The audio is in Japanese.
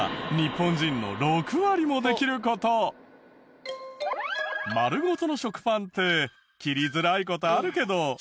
まずは丸ごとの食パンって切りづらい事あるけど。